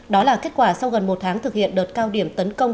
đó là kết quả sau gần một tháng thực hiện đợt cao điểm tấn công